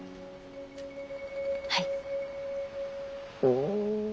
はい。